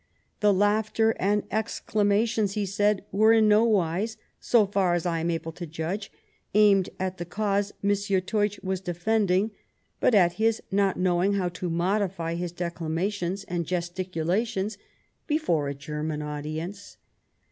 "The laughter and exclamations," he said, " were in no wise, so far as I am able to judge, aimed at the cause M. Teutsch was defending, but at his not knowing how to modify his declamations and gesticulations before a German audience.